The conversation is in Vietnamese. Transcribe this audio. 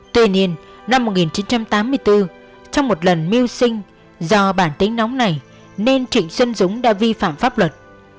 tuy nhiên năm một nghìn chín trăm tám mươi bốn trong một lần miêu sinh do bản tính nóng này nên trịnh xuân dũng đã vi phạm pháp luật